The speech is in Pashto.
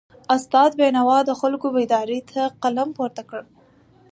استاد بینوا د خلکو بیداری ته قلم پورته کړ.